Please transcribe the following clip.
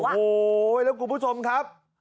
โอ้โหแล้วคุณผู้ชมครับ